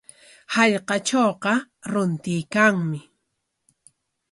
Hallqatrawqa runtuykanmi.